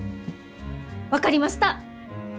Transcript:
分かりました！